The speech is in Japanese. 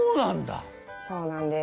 そうなんだ！